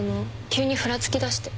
急にふらつきだして。